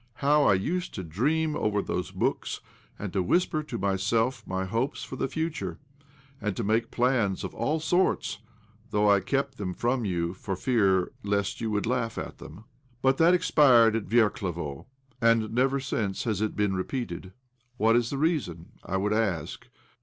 How I used to dream over those books, and to whisper to myself my, hopes for the future, and to make plans of all sorts I — though I kept them from you for fear lest you would laugh at them. But that expired at Verklevo ; and never since ihas it been repeated. What is the reason, I would ask?